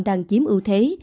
đang chiếm ưu thế